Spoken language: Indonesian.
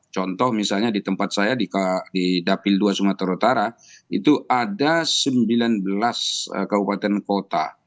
contoh misalnya di tempat saya di dapil dua sumatera utara itu ada sembilan belas kabupaten kota